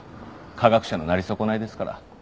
科学者のなり損ないですから。